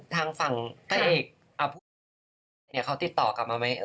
ทางฝั่งต้ายเอกพวกมันติดต่อกลับมาไหม